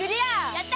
やった！